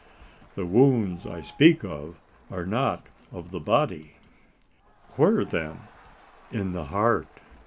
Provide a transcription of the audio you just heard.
"The wounds I speak of are not in the body." "Where, then?" "In the heart."